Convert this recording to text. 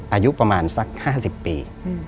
อายุประมาณสัก๕๐ปี